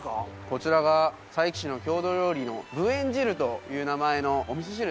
こちらが佐伯市の郷土料理のぶえん汁という名前のおみそ汁。